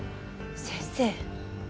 先生。